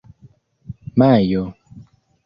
majo